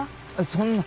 そんな！